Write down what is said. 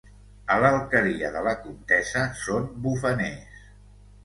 A l'Alqueria de la Comtessa són bufaners.